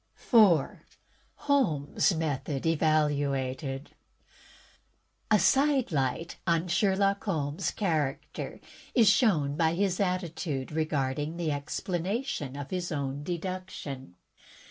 4, Holmes^ Method Evaluated A side light on Sherlock Holmes' character is shown by his attitude regarding the explanation of his own deduction.